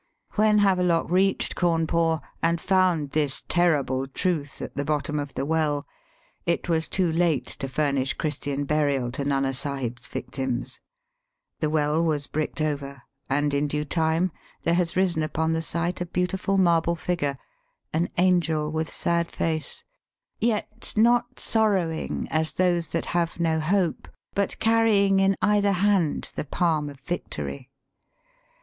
When Havelock reached Cawnpore, and found this terrible truth at the bottom of the well, it was too late to furnish Christian burial to Nana Sahib's victims. The well was bricked over, and in due time there has Digitized by VjOOQIC 262 EAST BY WEST* risen upon the site a beautiful marble figure — an angel with sad face, yet not sorrowing a& those that have no hope, but carrying in either hand the palm of victory.